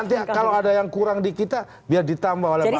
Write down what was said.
nanti kalau ada yang kurang di kita biar ditambah oleh masyarakat